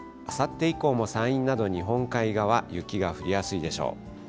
あさって以降も山陰など、日本海側、雪が降りやすいでしょう。